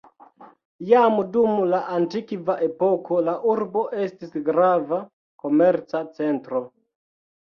Jam dum la antikva epoko la urbo estis grava komerca centro.